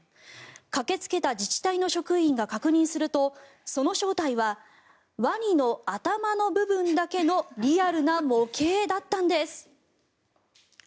駆けつけた自治体の職員が確認するとその正体はワニの頭の部分だけのリアルな模型だったんです。